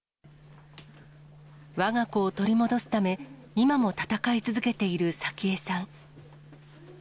わが子を取り戻すため、今も闘い続けている早紀江さん。